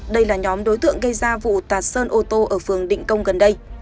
đây là nhóm đối tượng gây ra vụ tạt sơn ô tô ở phường định công gần đây